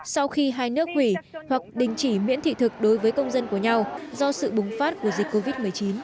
sau khi hai nước hủy hoặc đình chỉ miễn thị thực đối với công dân của nhau do sự bùng phát của dịch covid một mươi chín